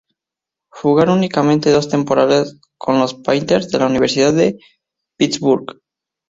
Jugó únicamente dos temporadas con los "Panthers" de la Universidad de Pittsburgh.